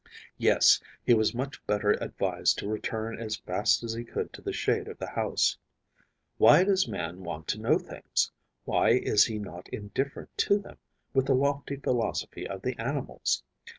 Yes, he was much better advised to return as fast as he could to the shade of the house. Why does man want to know things? Why is he not indifferent to them, with the lofty philosophy of the animals?